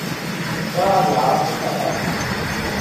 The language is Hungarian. Családi állapota elvált.